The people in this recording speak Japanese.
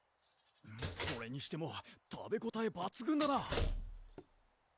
それにしても食べごたえ抜群だな！